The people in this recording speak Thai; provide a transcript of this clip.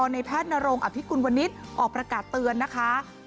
ในแพทย์นรงอภิกุลวนิษฐ์ออกประกาศเตือนนะคะ